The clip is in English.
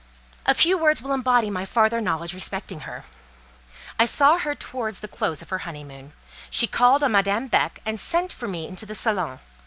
A few words will embody my farther knowledge respecting her. I saw her towards the close of her honeymoon. She called on Madame Beck, and sent for me into the salon.